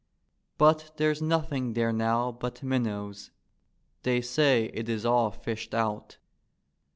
But there's nothing there now but minnows; they say it is all fished out.